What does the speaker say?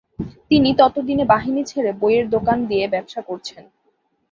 তিনি তত দিনে বাহিনী ছেড়ে বইয়ের দোকান দিয়ে ব্যবসা করছেন।